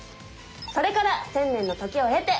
それから１０００年の時を経て！